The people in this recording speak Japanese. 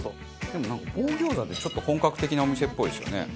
でもなんか棒餃子ってちょっと本格的なお店っぽいですよね。